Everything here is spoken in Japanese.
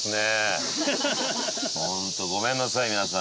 ホントごめんなさい皆さん。